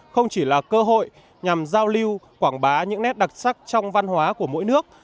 không chỉ là cơ hội nhằm giao lưu quảng bá những nét đặc sắc trong văn hóa của mỗi nước